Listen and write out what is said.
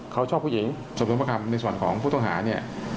เขาชอบผู้หญิงสนุนประคำในส่วนของผู้ต้องหาเนี่ย